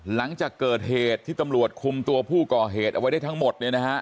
หลังจากเกิดเหตุที่ตำรวจคุมตัวผู้ก่อเหตุเอาไว้ได้ทั้งหมดเนี่ยนะฮะ